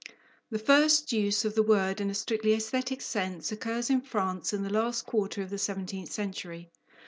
The first use of the word in a strictly aesthetic sense occurs in France in the last quarter of the seventeenth century.